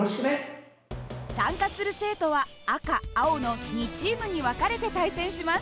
参加する生徒は赤青の２チームに分かれて対戦します。